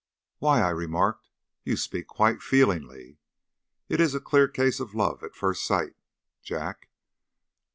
"Why," I remarked, "you speak quite feelingly. It is a clear case of love at first sight, Jack.